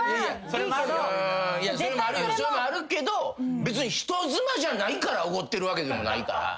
そういうのあるけど別に人妻じゃないからおごってるわけでもないから。